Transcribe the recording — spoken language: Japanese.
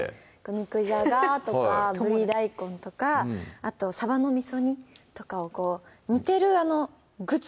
肉じゃがとかぶり大根とかあとさばのみそ煮とかをこう煮てるぐつ